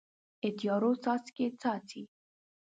د تیارو څاڅکي، څاڅي